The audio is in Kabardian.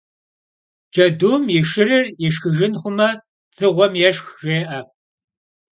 Cedum yi şşırır yişşxıjjın xhume, «dzığuem yêşhş» jjê'e.